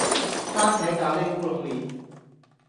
番茄咖哩烏龍麵